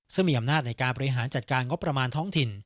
ซึ่งมีอำนาจในการบริหารจัดการงบประมาณท้องถิ่น